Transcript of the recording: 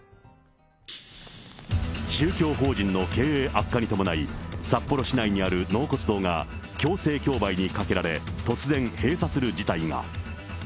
宗教法人の経営悪化に伴い、札幌市内にある納骨堂が、強制競売にかけられ、突然閉鎖する事態が。